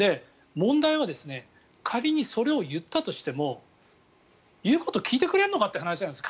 問題は仮にそれを言ったとしても言うことを聞いてくれるのかという話なんです。